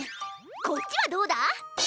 こっちはどうだ？